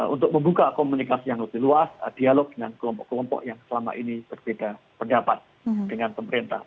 untuk membuka komunikasi yang lebih luas dialog dengan kelompok kelompok yang selama ini berbeda pendapat dengan pemerintah